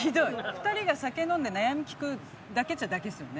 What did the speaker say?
２人が酒飲んで悩み聞くだけっちゃだけですよね。